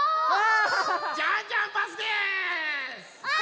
あ！